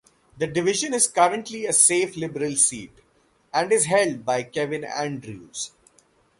The Division is currently a safe Liberal seat, and is held by Kevin Andrews.